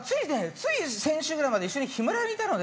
つい先週ぐらいまで一緒にヒマラヤにいたので。